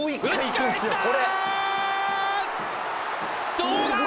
どうだ？